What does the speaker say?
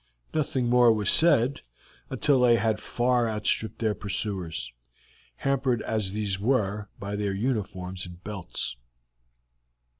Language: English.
Nothing more was said until they had far outstripped their pursuers, hampered as these were by their uniforms and belts.